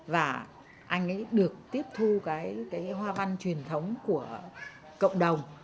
và anh ấy được tiếp thu cái hoa văn truyền thống của cộng đồng